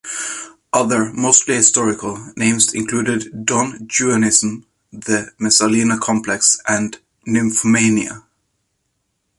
Other, mostly historical, names include Don Juanism, the Messalina complex, and nymphomania.